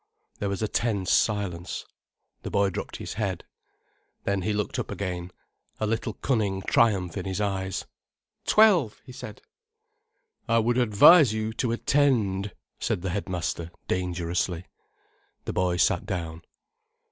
There was a tense silence. The boy dropped his head. Then he looked up again, a little cunning triumph in his eyes. "Twelve," he said. "I would advise you to attend," said the headmaster dangerously. The boy sat down.